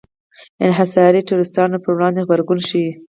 انحصاري ټرستانو پر وړاندې غبرګون ښيي.